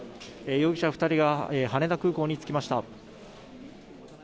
容疑者２人が羽田空港に着きました。